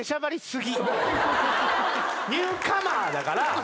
ニューカマーだから。